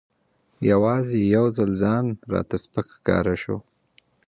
یوازې یو ځل ځان راته سپک ښکاره شو.